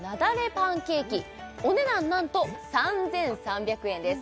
パンケーキお値段なんと３３００円です